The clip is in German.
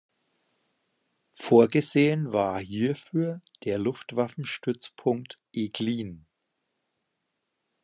Vorgesehen war hierfür der Luftwaffenstützpunkt Eglin.